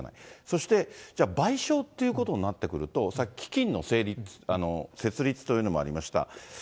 そして、じゃあ、賠償っていうことになってくると、基金の設立というのもありました。